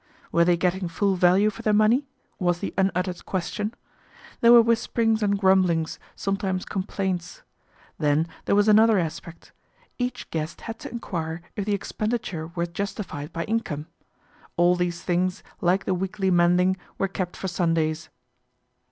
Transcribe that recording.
" Were they getting full value for their money ?" was the unuttered question. There were whisperings and grumblings, some times complaints. Then there was another aspect. Each guest had to enquire if the expenditure were justified by income. All these things, like the weekly mending, were kept for Sundays.